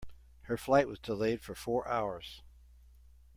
Her flight was delayed for four hours.